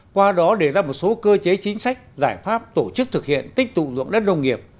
qua đó đề ra một số cơ chế chính sách giải pháp tổ chức thực hiện tích tụ dụng đất nông nghiệp